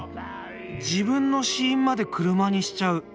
自分の死因まで車にしちゃう。